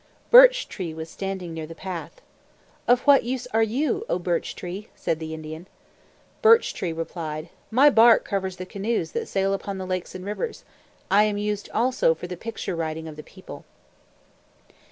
Birch Tree was standing near the path. "Of what use are you, O Birch Tree?" said the Indian. Birch Tree replied, "My bark covers the canoes that sail upon the lakes and rivers. I am used also for the picture writing of the people."